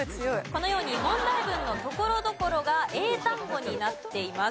このように問題文のところどころが英単語になっています。